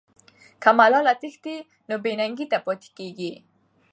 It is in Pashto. که ملالۍ تښتي، نو بې ننګۍ ته پاتې کېږي.